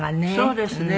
そうですね。